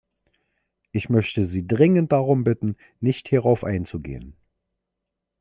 Ich möchte Sie dringend darum bitten, nicht hierauf einzugehen.